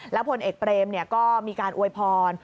ผลเอกเปรมก็มีการอวยพร